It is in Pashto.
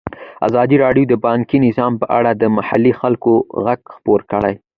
ازادي راډیو د بانکي نظام په اړه د محلي خلکو غږ خپور کړی.